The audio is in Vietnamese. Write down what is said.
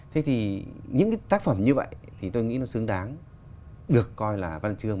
thế thì những cái tác phẩm như vậy thì tôi nghĩ nó xứng đáng được coi là văn chương